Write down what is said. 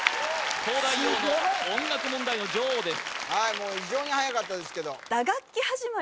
もう異常にはやかったですけどあ